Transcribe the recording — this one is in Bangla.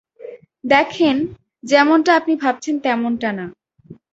দেখেন, যেমনটা আপনি ভাবছেন তেমনটা না।